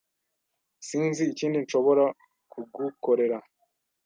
Sinzi ikindi nshobora kugukorera.